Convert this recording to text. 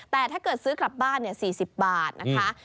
แต่ถ้าเกิดซื้อกลับบ้าน๔๐บาทนะคะ